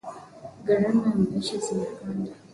Gharama ya maisha zimepanda